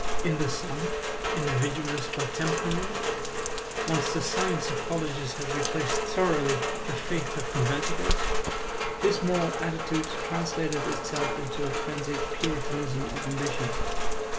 In the son, individualist by temperament, once the science of colleges had replaced thoroughly the faith of conventicles, this moral attitude translated itself into a frenzied puritanism of ambition.